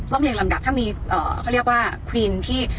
เพลงลำดับถ้ามีเขาเรียกว่าควีนที่